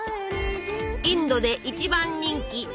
インドで一番人気！